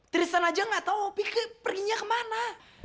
tristan aja gak tahu opi perginya kemana